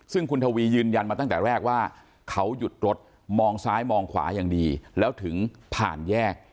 ซึ่งคุณทวียืนยันมาตั้งแต่แรกว่าเขาหยุดรถมองซ้ายมองขวาอย่างดีแล้วถึงผ่านแยก